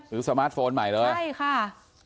สื้อสมาร์ทโฟนใหม่หรือวะใช่ค่ะ